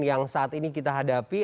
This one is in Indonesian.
yang saat ini kita hadapi